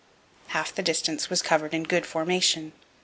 Half the distance was covered in good formation.